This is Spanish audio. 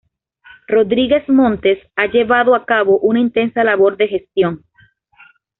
Rodríguez Montes ha llevado a cabo una intensa labor de gestión.